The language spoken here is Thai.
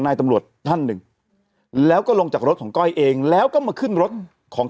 นายตำรวจท่านหนึ่งแล้วก็ลงจากรถของก้อยเองแล้วก็มาขึ้นรถของ